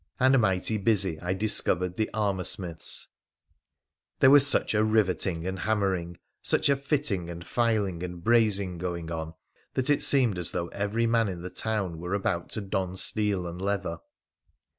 And mighty busy I discovered the armour smiths There was such a riveting and hammering, such a fitting anc filing and brazing going on, that it seemed as though ever man in the town were about to don steel and leather.